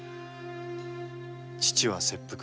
父は切腹。